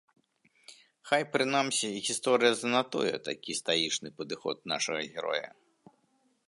Хай прынамсі гісторыя занатуе такі стаічны падыход нашага героя.